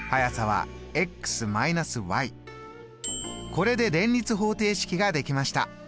これで連立方程式ができました！